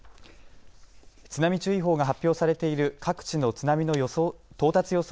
津波注意報が発表されている各地の津波の到達予想